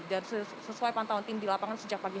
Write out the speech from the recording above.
dan sesuai pantauan tim di lapangan sejak perjalanan